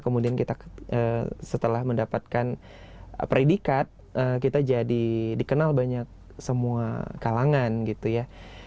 kemudian kita setelah mendapatkan predikat kita jadi dikenal banyak semua kalangan gitu ya